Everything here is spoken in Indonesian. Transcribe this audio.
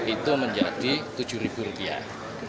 itu menjadi tujuh rupiah